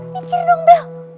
pikir dong bel